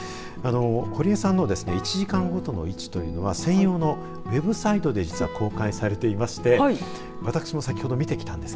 堀江さんの１時間ごとの位置というのは専用のウェブサイトで実は公開されていまして私も先ほど見てきました。